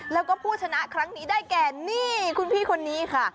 แล้วก็ผู้ชนะครั้งนี้ได้แก่นี่คุณพี่คนนี้ค่ะ